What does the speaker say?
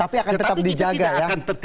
tapi akan tetap dijaga ya